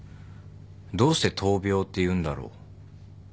どうして「闘病」って言うんだろう。